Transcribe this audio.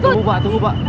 tunggu pak tunggu pak